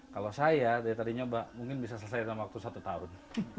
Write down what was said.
kalau saya dari tadinya mungkin bisa selesai dalam waktu satu tahun